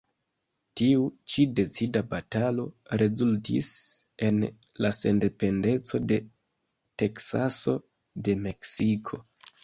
Tiu ĉi decida batalo rezultis en la sendependeco de Teksaso de Meksiko.